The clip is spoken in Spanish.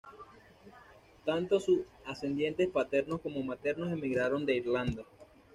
Tanto sus ascendientes paternos como maternos emigraron de Irlanda.